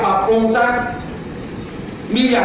แต่ก็ยังไม่ได้